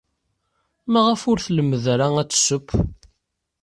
Maɣef ur tlemmed ara ad tesseww?